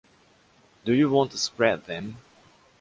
Do you want to spread them?